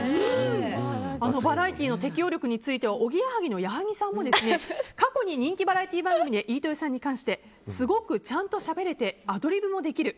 バラエティー適応力についてはおぎやはぎの矢作さんも過去に人気バラエティー番組で飯豊さんに関してすごくちゃんとしゃべれてアドリブもできる。